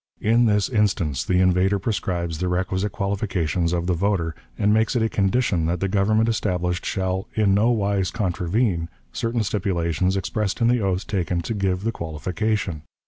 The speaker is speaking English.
In this instance, the invader prescribes the requisite qualifications of the voter, and makes it a condition that the government established shall "in no wise contravene" certain stipulations expressed in the oath taken to give the qualification.